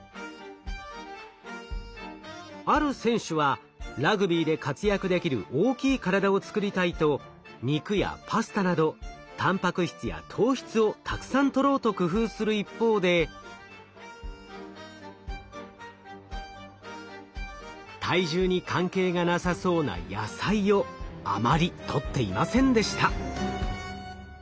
ある選手はラグビーで活躍できる大きい体を作りたいと肉やパスタなどたんぱく質や糖質をたくさんとろうと工夫する一方で体重に関係がなさそうな野菜をあまりとっていませんでした。